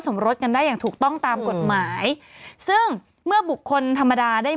สมรสกันได้อย่างถูกต้องตามกฎหมายซึ่งเมื่อบุคคลธรรมดาได้